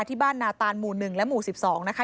ที่บ้านนาตานหมู่๑และหมู่๑๒นะคะ